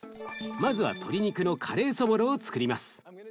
まずは鶏肉のカレーそぼろをつくります。